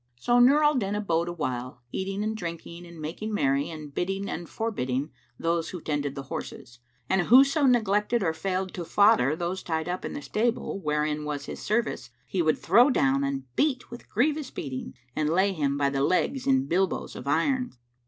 So Nur al Din abode awhile, eating and drinking and making merry and bidding and forbidding those who tended the horses; and whoso neglected or failed to fodder those tied up in the stable wherein was his service, he would throw down and beat with grievous beating and lay him by the legs in bilboes of iron.